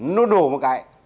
nó đổ một cái